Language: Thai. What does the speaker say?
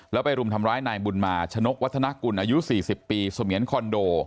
แล้วไปรุมทำร้ายนายบุญมาชนกวัฒนากุลอายุ๔๐ปีเสมียนคอนโด